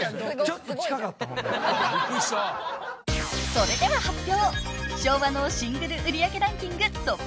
［それでは発表］